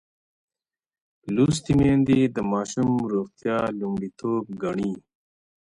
لوستې میندې د ماشوم روغتیا لومړیتوب ګڼي.